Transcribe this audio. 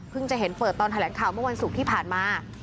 จะเห็นเปิดตอนแถลงข่าวเมื่อวันศุกร์ที่ผ่านมา